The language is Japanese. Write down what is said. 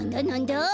なんだ？